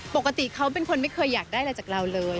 ปกติเขาเป็นคนไม่เคยอยากได้อะไรจากเราเลย